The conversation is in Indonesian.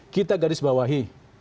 kita garis bawahi